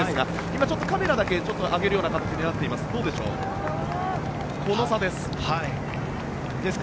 今、カメラだけ上げるような形になっています。